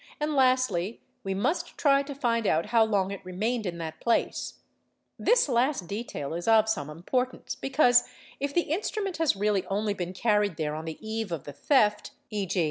and lastly, we must try to find out how long it _ remained in that place; this last detail is of some importance, because if the instrument has really only been carried there on the eve of the theft, + ég.